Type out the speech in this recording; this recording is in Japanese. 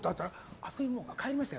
あそこに、もう帰りました。